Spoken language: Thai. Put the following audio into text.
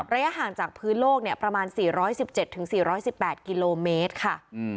ระยะห่างจากพื้นโลกประมาณ๔๑๗๔๑๘กิโลเมตรค่ะ